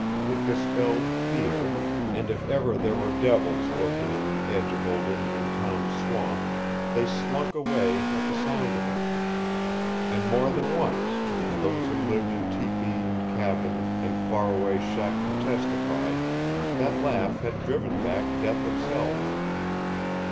It dispelled fear, and if ever there were devils lurking in the edge of old Indian Tom's swamp they slunk away at the sound of it. And more than once, as those who lived in tepee and cabin and far away shack could testify, that laugh had driven back death itself.